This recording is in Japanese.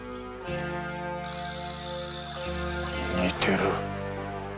〕似てる。